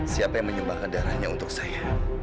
siapa yang menyumbangkan darahnya untuk saya